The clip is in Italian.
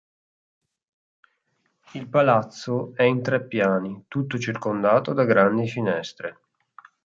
Il palazzo è in tre piani, tutto circondato da grandi finestre.